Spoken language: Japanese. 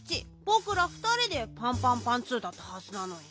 ぼくらふたりでパンパンパンツーだったはずなのに。